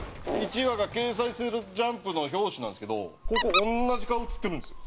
１話が掲載する『ジャンプ』の表紙なんですけどここ同じ顔映ってるんですよ。